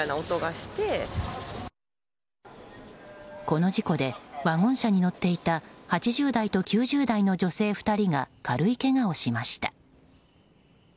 この事故でワゴン車に乗っていた８０代と９０代の女性２人が軽いけがをしました。